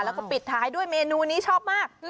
แล้วก็ปิดท้ายด้วยเมนูนี้ชอบมาก